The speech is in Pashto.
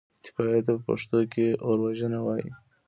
اطفائيې ته په پښتو کې اوروژنه وايي.